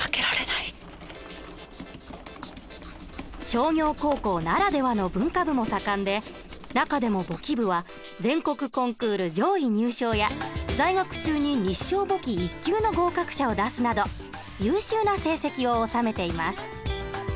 商業高校ならではの文化部も盛んで中でも簿記部は全国コンクール上位入賞や在学中に日商簿記１級の合格者を出すなど優秀な成績を収めています。